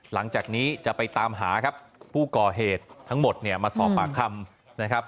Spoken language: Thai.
หลังจากนี้จะไปตามหาครับผู้ก่อเหตุทั้งหมดเนี่ยมาสอบปากคำนะครับ